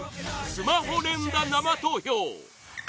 スマホ連打生投票！